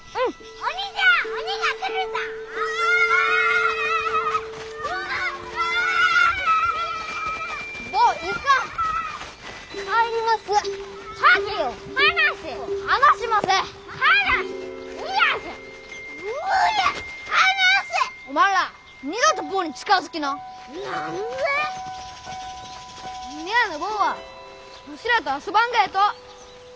峰屋の坊はわしらと遊ばんがやと！